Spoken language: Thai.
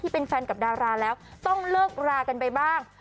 เป็นแฟนกับดาราแล้วต้องเลิกรากันไปบ้าง